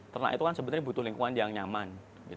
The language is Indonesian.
ternak itu kan sebenarnya butuh lingkungan yang nyaman